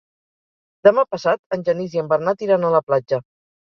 Demà passat en Genís i en Bernat iran a la platja.